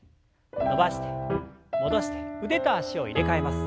伸ばして戻して腕と脚を入れ替えます。